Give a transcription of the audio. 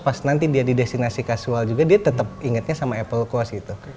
pas nanti dia di destinasi casual juga dia tetap ingetnya sama apple cost gitu